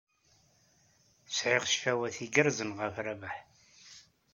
Sɛiɣ ccfawat igerrzen ɣef Rabaḥ.